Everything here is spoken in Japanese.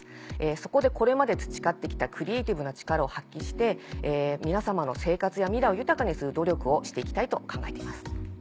そこでこれまで培って来たクリエイティブな力を発揮して皆様の生活や未来を豊かにする努力をして行きたいと考えています。